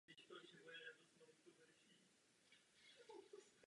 Při obnově byly ponechány pouze obvodové zdi a vnitřek stavby byl vybudován znovu.